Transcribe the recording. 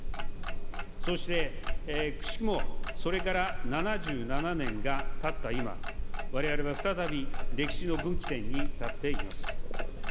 そしてくしくも、それから７７年がたった今、われわれは再び、歴史の分岐点に立っています。